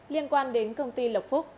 liên quan đến công ty lộc phúc